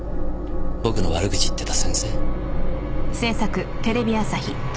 僕の悪口言ってた先生。